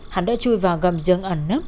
hắn đã chui vào gầm dường ẩn nấp